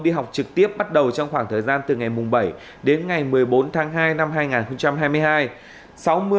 đi học trực tiếp bắt đầu trong khoảng thời gian từ ngày bảy đến ngày một mươi bốn tháng hai năm hai nghìn hai mươi hai